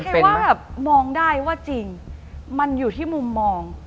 คิดว่าแบบมองได้ว่าจริงมันอยู่ที่มุมมอง